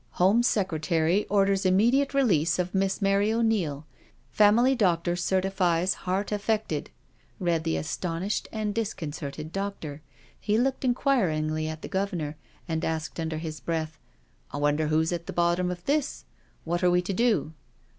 " Home Secretary orders immediate release of Miss Mary O'Neil. Family doctor certifies heart affected,'* read the astonished and disconcerted doctor. He looked inquiringly at the Governor, and asked under his breath: " I wonder who's at the bottom of this? What are we to do?'